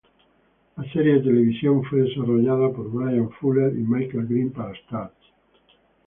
La serie de televisión fue desarrollada por Bryan Fuller y Michael Green para Starz.